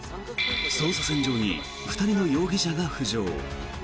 捜査線上に２人の容疑者が浮上。